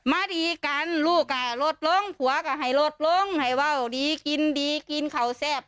มาดีกันลูกอ่ะลดลงผัวก็ให้ลดลงให้ว่าวดีกินดีกินเขาแซ่บ